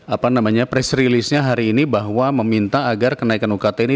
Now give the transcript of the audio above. apa namanya press release nya hari ini bahwa meminta agar kenaikan ukt ini